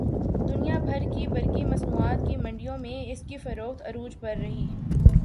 دنیا بھر کی برقی مصنوعات کی منڈیوں میں اس کی فروخت عروج پر رہی